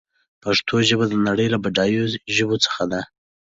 پښتو ژبه د نړۍ له بډايو ژبو څخه ده.